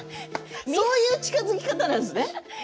そういう近づき方なんですね。